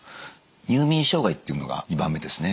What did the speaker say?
入眠障害っていうのが２番目ですね。